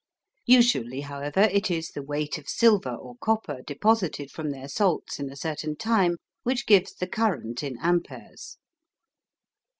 Usually, however, it is the weight of silver or copper deposited from their salts in a certain time which gives the current in amperes.